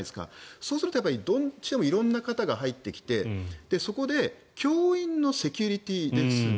そうすると色んな方が入ってきてそこで教員のセキュリティーですね。